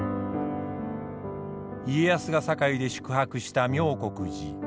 家康が堺で宿泊した妙國寺。